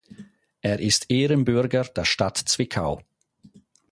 Er ist Ehrenbürger der Stadt Zwickau.